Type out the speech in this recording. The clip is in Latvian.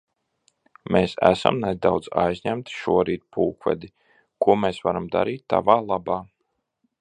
Mēs esam nedaudz aizņemti šorīt, pulkvedi, Ko mēs varam darī tavā labā?